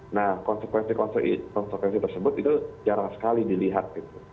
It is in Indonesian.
nah konsekuensi konsekuensi tersebut itu jarang sekali dilihat gitu